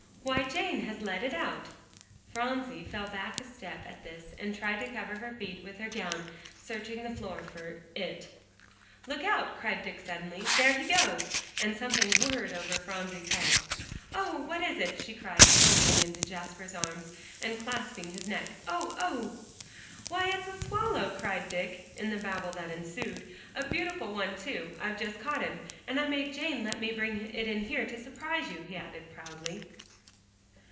"Why, Jane has let it out!" Phronsie fell back a step at this and tried to cover her feet with her gown, searching the floor for the "it." "Lookout!" cried Dick suddenly. "There he goes!" And something whirred over Phronsie's head. "Oh! what is it?" she cried, tumbling into Jasper's arms and clasping his neck. "Oh! oh!" "Why, it's a swallow," cried Dick, in the babel that ensued, "a beautiful one, too. I've just caught him, and I made Jane let me bring it in here to surprise you," he added proudly.